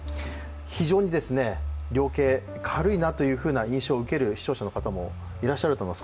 非常に量刑、軽いなという印象を受ける視聴者の方も多いと思います。